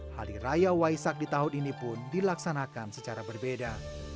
hari raya waisak di tahun ini pun dilaksanakan secara berbeda